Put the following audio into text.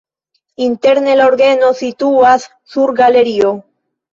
Interne la orgeno situas sur galerio.